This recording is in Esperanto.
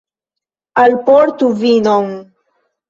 Alportu vinon!